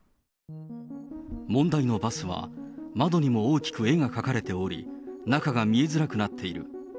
問題のバスは、窓にも大きく絵が描かれており、中が見えづらくなっている。